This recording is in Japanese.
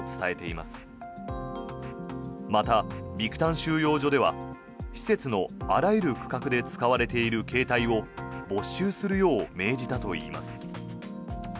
また、ビクタン収容所では施設のあらゆる区画で使われている携帯を没収するよう命じたといいます。